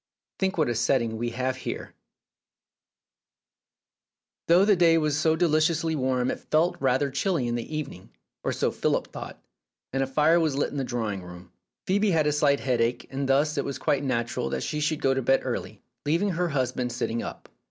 Think what a setting we have here !" Though the day was so deliciously warm, it felt rather chilly in the evening, or so Philip thought, t 2g7 Philip's Safety Razor and a fire was lit in the drawing room. Phoebe had a slight headache, and thus it was quite natural that she should go to bed early, leaving her husband sitting up.